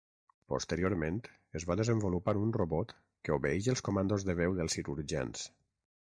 Posteriorment es va desenvolupar un robot que obeeix els comandos de veu dels cirurgians.